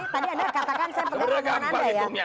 tadi anda katakan saya pengaruh dengan anda ya